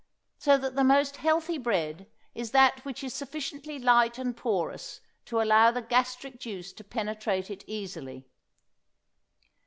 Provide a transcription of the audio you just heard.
So that the most healthy bread is that which is sufficiently light and porous to allow the gastric juice to penetrate it easily.